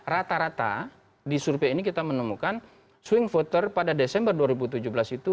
rata rata di survei ini kita menemukan swing voter pada desember dua ribu tujuh belas itu